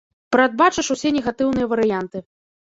Прадбачыш усе негатыўныя варыянты.